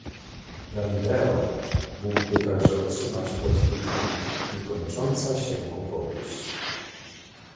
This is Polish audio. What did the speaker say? Galileo mógłby także otrzymać podtytuł "Niekończąca się opowieść"